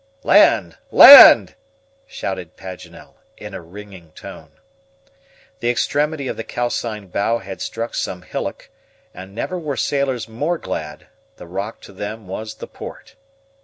"Land! land!" shouted Paganel, in a ringing tone. The extremity of the calcined bough had struck some hillock, and never were sailors more glad; the rock to them was the port.